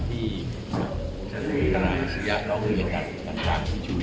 ที่ธนาฬิกาศิริยะรองเรียนกัน